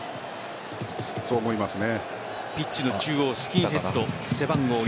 そう思いますね。